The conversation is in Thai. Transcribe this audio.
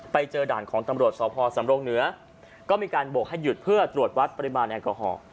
ด่านของตำรวจสพสำรงเหนือก็มีการบกให้หยุดเพื่อตรวจวัดปริมาณแอลกอฮอล์